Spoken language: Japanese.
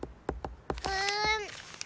うん。